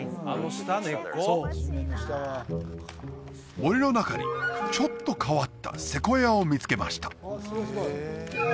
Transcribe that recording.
森の中にちょっと変わったセコイアを見つけました